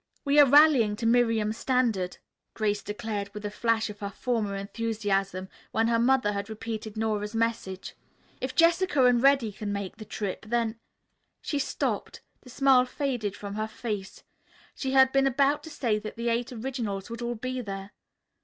"We are rallying to Miriam's standard," Grace declared with a flash of her former enthusiasm, when her mother had repeated Nora's message. "If Jessica and Reddy can manage the trip, then " She stopped, the smile faded from her face. She had been about to say that the Eight Originals would all be there.